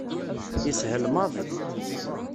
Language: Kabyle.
Yeshel maḍi.